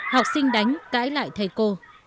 học sinh đánh cãi lại thầy cô